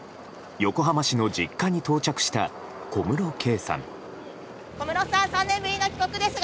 横浜市の実家に到着した小室圭さん。